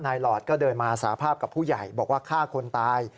หลอดก็เดินมาสาภาพกับผู้ใหญ่บอกว่าฆ่าคนตาย